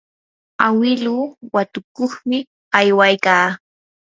awiluu watukuqmi aywaykaa.